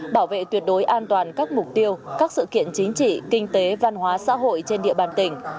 bảo vệ tuyệt đối an toàn các mục tiêu các sự kiện chính trị kinh tế văn hóa xã hội trên địa bàn tỉnh